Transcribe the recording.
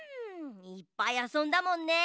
いっぱいあそんだもんね。